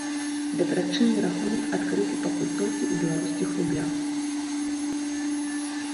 Дабрачынны рахунак адкрыты пакуль толькі ў беларускіх рублях.